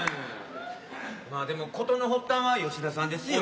でも事の発端は吉田さんですよ。